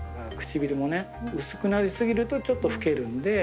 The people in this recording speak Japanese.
「唇もね薄くなり過ぎるとちょっと老けるんで」